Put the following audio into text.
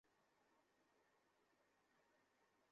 এসো, মিরিয়াম।